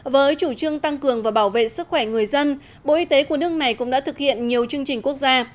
với chủ trương tăng cường và bảo vệ sức khỏe người dân bộ y tế của nước này cũng đã thực hiện nhiều chương trình quốc gia